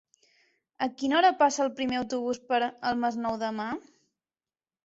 A quina hora passa el primer autobús per el Masnou demà?